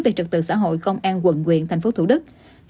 về trật tự xã hội công an quận nguyện tp hcm